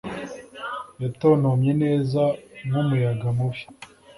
yatontomye neza nk'umuyaga mubi